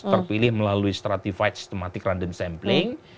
terpilih melalui stratified stematic random sampling